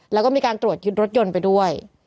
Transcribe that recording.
แล้วก็มีการตรวจยึดรถยนต์ไปด้วย